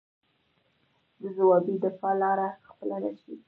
د ځوابي دفاع لاره خپله نه شي.